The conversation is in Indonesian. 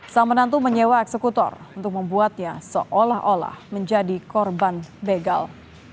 sang menantu menyewa eksekutor untuk membuatnya seolah olah menjadi korban begal